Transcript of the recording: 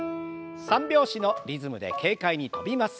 三拍子のリズムで軽快に跳びます。